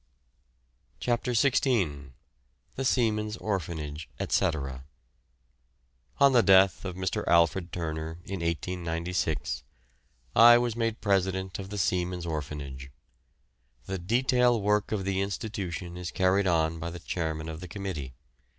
CHAPTER XVI. THE SEAMEN'S ORPHANAGE, ETC. On the death of Mr. Alfred Turner in 1896, I was made president of the Seamen's Orphanage. The detail work of the institution is carried on by the chairman of the committee.